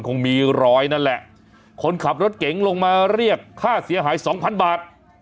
คงมีรอยนั่นแหละคนขับรถเก๋งลงมาเรียกค่าเสียหายสองพันบาท